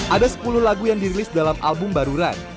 ada sepuluh lagu yang dirilis dalam album baru run